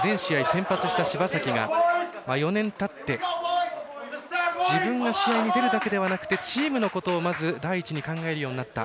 先発した柴崎が、４年たって自分が試合に出るだけではなくてチームのことをまず第一に考えるようになった